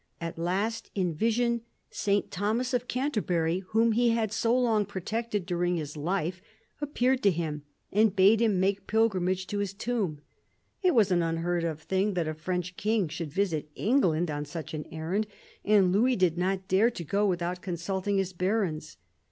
At last in vision S. Thomas of Canterbury, whom he had so long protected during his life, appeared to him, and bade him make pilgrimage to his tomb. It was an unheard of thing that a French king should visit England on such an errand, and Louis did not dare to go without consulting his barons.